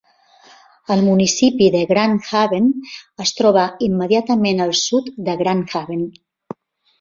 El municipi de Grand Haven es troba immediatament al sud de Grand Haven.